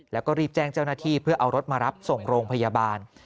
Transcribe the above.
แล้วก็รีบแจ้งเจ้าหน้าที่เพื่อเอารถมารับส่งโรงพยาบาล